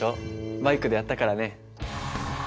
バイクでやったからね。